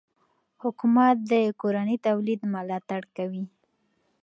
حکومت د کورني تولید ملاتړ کوي.